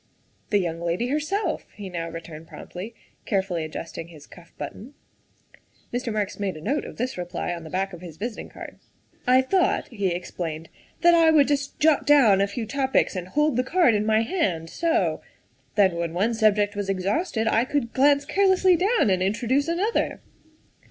" The young lady herself," he now returned promptly, carefully adjusting his cuff button. Mr. Marks made a note of this reply on the back of his visiting card. " I thought," he explained, " that I would just jot down a few topics and hold the card in my hand so. Then when one subject was exhausted I could glance carelessly down and introduce another."